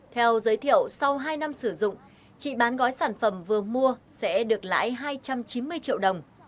theo giới thiệu sau hai năm sử dụng chị bán gói sản phẩm vừa mua sẽ được lãi hai trăm chín mươi triệu đồng